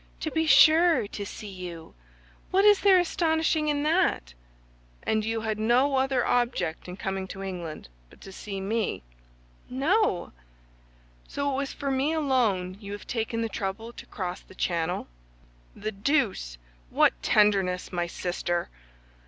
"To be sure, to see you. What is there astonishing in that?" "And you had no other object in coming to England but to see me?" "No." "So it was for me alone you have taken the trouble to cross the Channel?" "For you alone." "The deuce! What tenderness, my sister!"